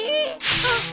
あっ。